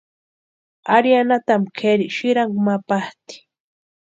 Ari anhatapu kʼeri sïrankwa ma patʼi.